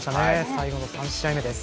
最後の３試合目です。